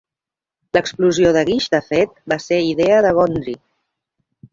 L'explosió de guix, de fet, va ser idea de Gondry.